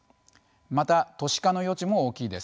また都市化の余地も大きいです。